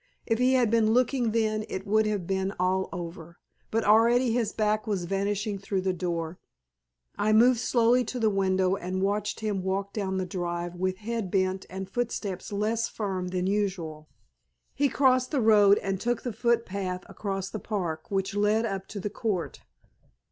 If he had been looking then it would have been all over. But already his back was vanishing through the door. I moved slowly to the window and watched him walk down the drive with head bent and footsteps less firm than usual. He crossed the road and took the footpath across the park which led up to the Court.